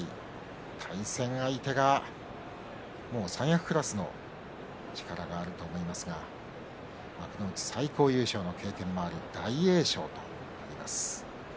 対戦相手、三役クラスの力があると思いますが幕内最高優勝の経験もある大栄翔となります。